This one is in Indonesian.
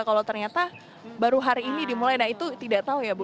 kalau ternyata baru hari ini dimulai nah itu tidak tahu ya bu